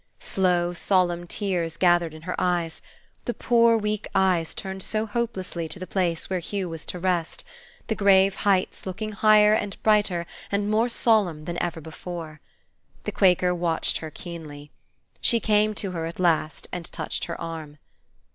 Slow, solemn tears gathered in her eyes: the poor weak eyes turned so hopelessly to the place where Hugh was to rest, the grave heights looking higher and brighter and more solemn than ever before. The Quaker watched her keenly. She came to her at last, and touched her arm.